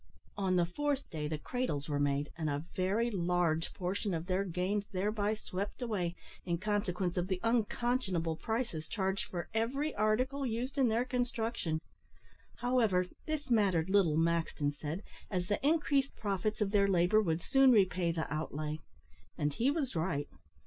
On the fourth day the cradles were made, and a very large portion of their gains thereby swept away in consequence of the unconscionable prices charged for every article used in their construction. However, this mattered little, Maxton said, as the increased profits of their labour would soon repay the outlay. And he was right.